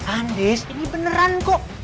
andes ini beneran kok